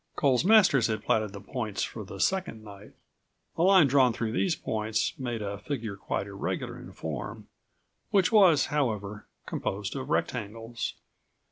Coles Masters had platted the points for the second night. A line drawn through these points made a figure quite irregular in form, which was, however, composed of rectangles.